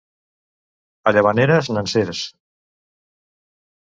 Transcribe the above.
A Llavaneres, nansers.